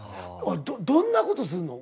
どんなことすんの？